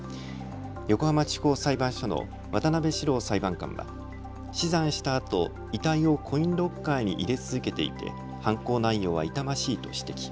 横浜地方裁判所の渡邉史朗裁判官は、死産したあと遺体をコインロッカーに入れ続けていて犯行内容は痛ましいと指摘。